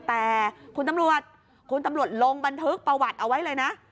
แต่คุณตำรวจคุณตำรวจลงบันทึกประวัติเอาไว้เลยนะ